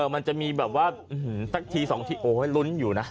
มันจะมีแบบว่าสักที๒ทีโอ้ยลุ้นอยู่นะ